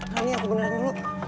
rani aku beneran dulu